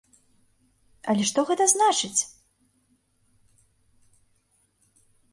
Але што гэта значыць?